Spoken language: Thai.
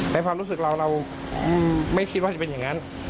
ความรู้สึกเราเราไม่คิดว่าจะเป็นอย่างนั้น